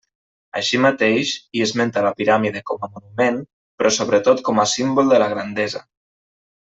Així mateix, hi esmenta la piràmide, com a monument, però sobretot com a símbol de la grandesa.